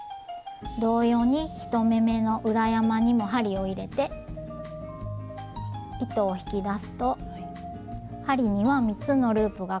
同様に１目めの裏山にも針を入れて糸を引き出すと針には３つのループがかかった状態になります。